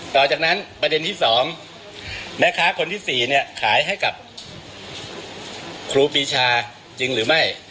ต่อจากนั้นประเด็นที่๒แม่ค้าคนที่๔เนี่ยขายให้กับครูปีชาจริงหรือไม่